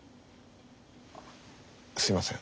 すいません。